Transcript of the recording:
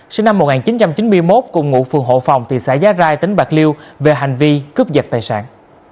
sinh năm một nghìn chín trăm chín mươi một cùng ngụ phường hộ phòng thị xã giá rai tỉnh bạc liêu về hành vi cướp giật tài sản